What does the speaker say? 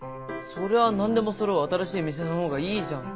そりゃ何でもそろう新しい店の方がいいじゃん。